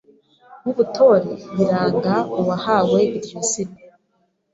w’ubutore biranga uwahawe iryo zina.